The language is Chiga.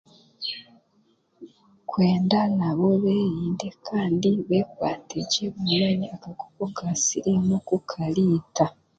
Kwenda nabo beerinde kandi beekwategye mbwenu akakooko ka siriimu ko kariita.